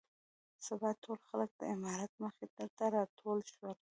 سبا ټول خلک د امارت مخې ته راټول شول.